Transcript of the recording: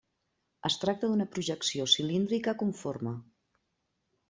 Es tracta d'una projecció cilíndrica conforme.